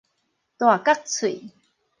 大角喙